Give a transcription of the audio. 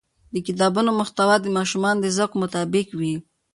د کتابونو محتوا د ماشومانو د ذوق مطابق وي.